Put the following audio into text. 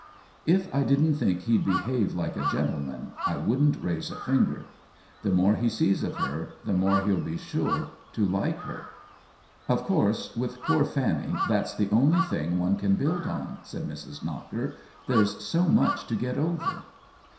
" If I didn't think he'd behave like a gen tleman I wouldn't raise a finger. The more he sees of her the more he'll be sure to like her." 30 THE WHEEL OF TIME "Of course with poor Fanny that's the only thing one can build on," said Mrs. Knocker. " There's so much to get over."